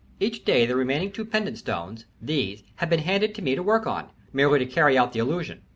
Each day the remaining two pendant stones these have been handed to me to work on, merely to carry out the illusion.